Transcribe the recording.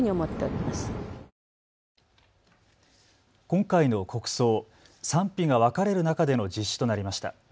今回の国葬、賛否が分かれる中での実施となりました。